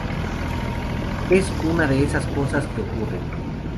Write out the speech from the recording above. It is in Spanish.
Es una de esas cosas que ocurren".